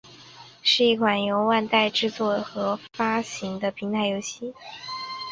是一款由万代制作和发行的平台游戏。